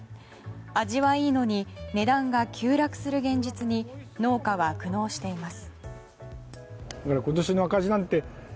味はいいのに値段が急落する現実に農家は苦悩しています。